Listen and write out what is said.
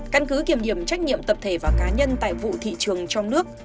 căn cứ kiểm điểm trách nhiệm tập thể và cá nhân tại vụ thị trường trong nước